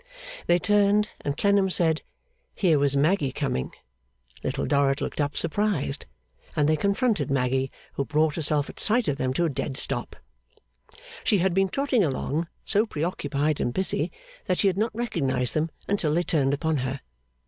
They turned, and Clennam said, Here was Maggy coming! Little Dorrit looked up, surprised, and they confronted Maggy, who brought herself at sight of them to a dead stop. She had been trotting along, so preoccupied and busy that she had not recognised them until they turned upon her.